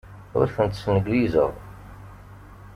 Ur tent-sneglizeɣ.